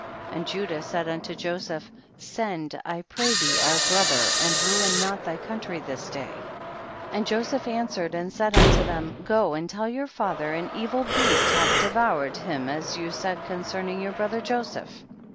and Judah said un to Joseph, send I pray thee our bro ther and ruin not thy country this day. 32. And Joseph answered and said unto them, go and tell your fa ther, an evil beast hath devoured him as you said concerning your brother Joseph.